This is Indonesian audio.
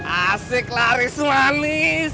asik lah wis manis